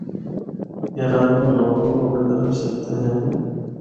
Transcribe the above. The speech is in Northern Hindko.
اے رنگ لوگاں کو اپنڑی طرف چِکھدے ہن۔